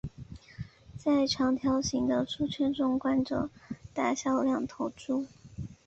在长条形的猪圈中关着大小两头猪。